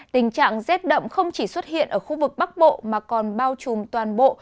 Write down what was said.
tình trạng rét đậm không chỉ xuất hiện ở khu vực bắc bộ mà còn bao trùm toàn bộ